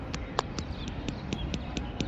په انګلستان کي هم دغه علمي بحثونه سته.